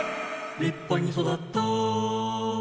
「立派に育ったー」